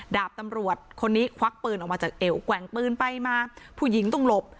ดาบตำรวจคนนี้ควักปืนออกมาจากเอวแกว่งปืนไปมาผู้หญิงต้องหลบ